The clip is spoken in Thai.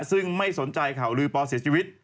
ซึ่งไม่สนใจข่าวลือปเสียชีวิต